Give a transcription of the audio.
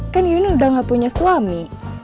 kan yun udah nggak punya suami